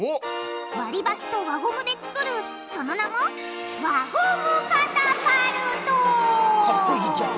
割り箸と輪ゴムで作るその名もかっこいいじゃん。